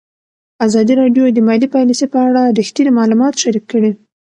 ازادي راډیو د مالي پالیسي په اړه رښتیني معلومات شریک کړي.